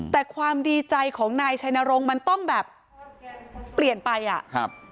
แต่ความดีใจของนายชัยนรงค์มันต้องแบบเปลี่ยนไปอ่ะครับ